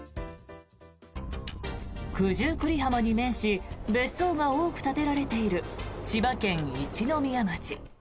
九十九里浜に面し別荘が多く建てられている千葉県一宮町。